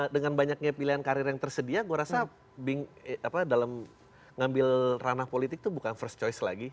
dengan banyaknya pilihan karir yang tersedia gue rasa dalam ngambil ranah politik itu bukan first choice lagi